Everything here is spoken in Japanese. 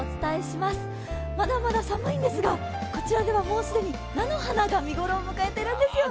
まだまだ寒いんですが、こちらではもう既に菜の花が見頃を迎えているんですよね。